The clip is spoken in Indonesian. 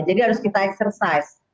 jadi harus kita eksersis